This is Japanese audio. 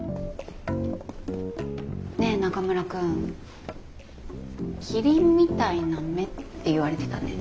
ねえ中村くんキリンみたいな目って言われてたね？